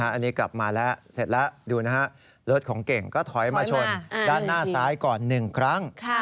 อันนี้กลับมาแล้วเสร็จแล้วดูนะฮะรถของเก่งก็ถอยมาชนด้านหน้าซ้ายก่อน๑ครั้ง